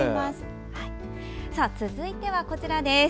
続いてはこちらです。